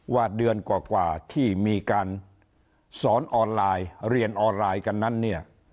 ว่าเดือนกว่าที่มีการสอนออนไลน์เรียนออนไลน์กันนั้นเนี่ย